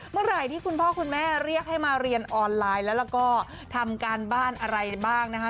เมื่อไหร่ที่คุณพ่อคุณแม่เรียกให้มาเรียนออนไลน์แล้วก็ทำการบ้านอะไรบ้างนะคะ